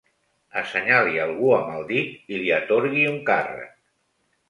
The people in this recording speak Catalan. Assenyali algú amb el dit i li atorgui un càrrec.